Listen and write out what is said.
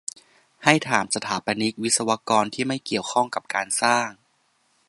ให้ถามสถาปนิก-วิศวกร ที่ไม่เกี่ยวข้องกับการสร้าง